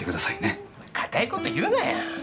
堅い事言うなよ。